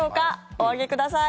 お上げください。